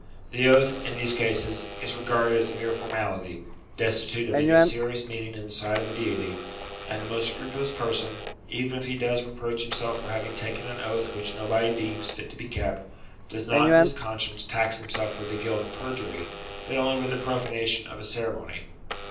The oath, in these cases, is regarded as a mere formality, desti tute of any serious meaning in the sight of the Deity ; and the most scrupulous person, even if he does reproach himself for having taken an oath which nobody deems fit to be kept, does not in his con science tax himself with the guilt of perjury, but only with the profanation of a ceremony.